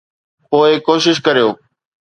پوء ڪوشش ڪريو